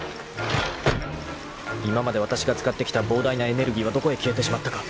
［今までわたしが使ってきた膨大なエネルギーはどこへ消えてしまったか？